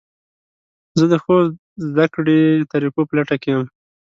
زه د ښو زده کړې طریقو په لټه کې یم.